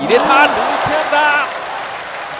１１アンダー！